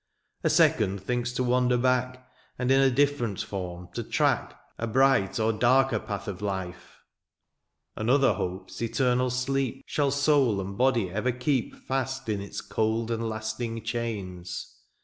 " A second thinks to wander back, " And in a different form to track " A bright or darker path of life. " Another hopes eternal sleep *^ Shall soul and body ever keep " Fast in its cold and lasting chains.